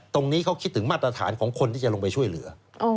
ตรงนี้เขาคิดถึงมาตรฐานของคนที่จะลงไปช่วยเหลือ